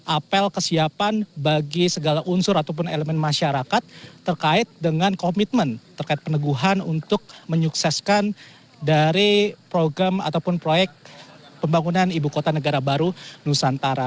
apel kesiapan bagi segala unsur ataupun elemen masyarakat terkait dengan komitmen terkait peneguhan untuk menyukseskan dari program ataupun proyek pembangunan ibu kota negara baru nusantara